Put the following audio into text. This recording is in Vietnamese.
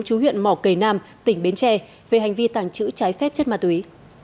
chú huyện mỏ cầy nam tỉnh bến tre về hành vi tàng trữ trái phép chất ma túy